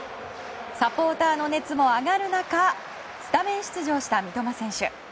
サポーターの熱も上がる中スタメン出場した三笘選手。